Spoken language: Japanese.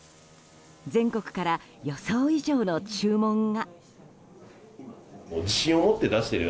全国から予想以上の注文が。